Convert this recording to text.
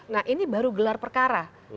nah ini baru gelar perkara